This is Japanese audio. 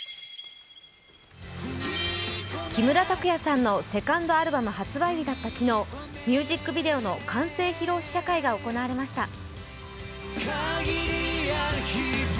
木村拓哉さんのセカンドアルバム発売日だった昨日、ミュージックビデオの完成披露試写会が行われました。